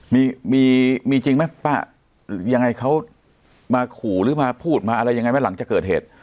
มีมีจริงไหมป้ายังไงเขามาขู่หรือมาพูดมาอะไรยังไงไหมหลังจากเกิดเหตุ